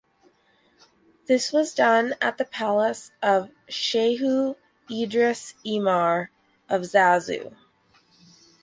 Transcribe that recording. This was done at the palace of Shehu Idris Emir of Zazzau.